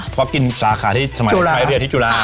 เพราะกินสาขาที่สมัยท้ายเรือที่จุฬา